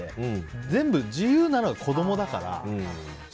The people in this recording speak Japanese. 全部、自由なのは子供だから。